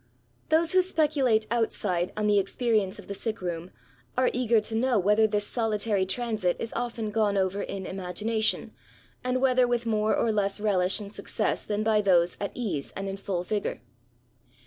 Those who speculate outside on the experience of the sick room, are eager to know whether this soUtary transit is often gone over in imagination, and whether with more or less relish and success than by those at ease and in full vigour.